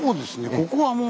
ここはもう。